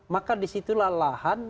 maka disitulah lahan